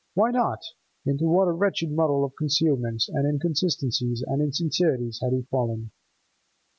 Why not? Into what a wretched muddle of concealments and inconsistencies and insincerities had he fallen!